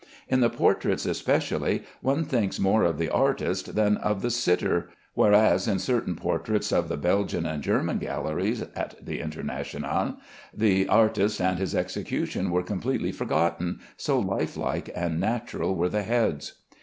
In the portraits especially, one thinks more of the artist than of the sitter, whereas in certain portraits of the Belgian and German galleries at the International, the artist and his execution were completely forgotten, so life like and natural were the heads.